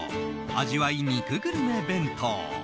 味わい肉グルメ弁当。